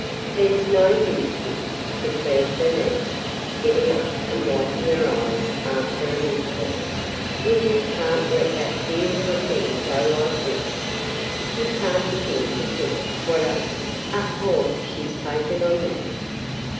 "There 's no use, Syd," declared Bernice, getting up and wiping her eyes after an interval, "we just can't let that dear little thing go like this. You can't begin to think what a – a hold she 's taken on me.